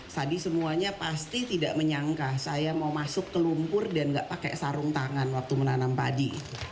sadi semuanya pasti tidak menyangka saya mau masuk ke lumpur dan nggak pakai sarung tangan waktu menanam padi